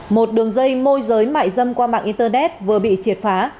một đường dây môi giới mại dâm qua mạng internet vừa bị triệt phá